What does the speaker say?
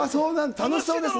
楽しそうですね。